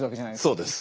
そうです。